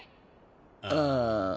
ああ。